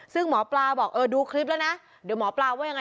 ซึ่งหมอปลาบอกเออดูคลิปแล้วนะเดี๋ยวหมอปลาว่ายังไง